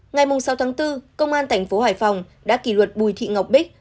ngày sáu tháng bốn công an tp hải phòng đã kỷ luật bùi thị ngọc bích